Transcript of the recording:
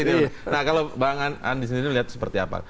nah kalau bang an disini lihat seperti apa